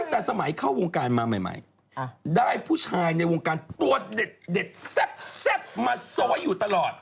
ตั้งแต่สมัยเข้าวงการมาใหม่ได้ผู้ชายในวงการตัวเด็ดแซ่บมาโซยอยู่ตลอด